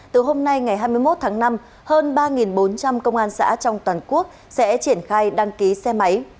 từ hôm nay ngày hai mươi một tháng năm hơn ba bốn trăm linh công an xã trong toàn quốc sẽ triển khai đăng ký xe máy